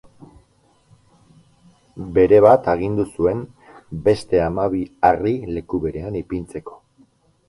Berebat agindu zuen beste hamabi harri leku berean ipintzeko.